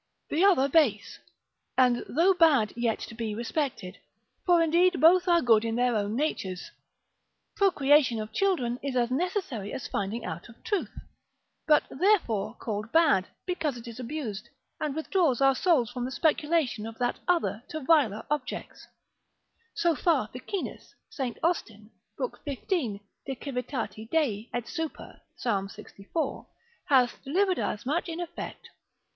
the other base, and though bad yet to be respected; for indeed both are good in their own natures: procreation of children is as necessary as that finding out of truth, but therefore called bad, because it is abused, and withdraws our souls from the speculation of that other to viler objects, so far Ficinus. S. Austin, lib. 15. de civ. Dei et sup. Psal. lxiv., hath delivered as much in effect.